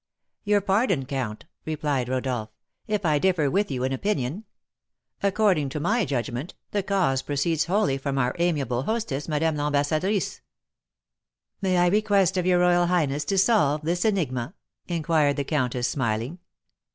"Your pardon, count," replied Rodolph, "if I differ with you in opinion. According to my judgment, the cause proceeds wholly from our amiable hostess, Madame l'Ambassadrice." "May I request of your royal highness to solve this enigma?" inquired the countess, smiling.